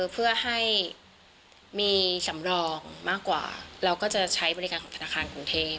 เพื่อให้มีสำรองมากกว่าเราก็จะใช้บริการของธนาคารกรุงเทพ